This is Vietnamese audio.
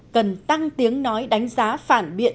cần tăng tiếng nói đánh giá phản biện